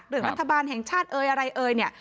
เรื่องรัฐบาลแห่งชาติอะไรเนี่ย